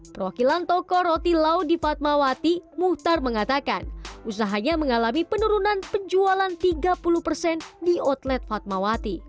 perwakilan toko roti lau di fatmawati muhtar mengatakan usahanya mengalami penurunan penjualan tiga puluh persen di outlet fatmawati